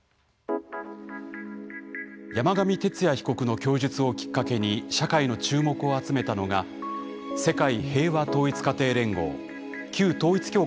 山上徹也被告の供述をきっかけに社会の注目を集めたのが世界平和統一家庭連合旧統一教会の問題です。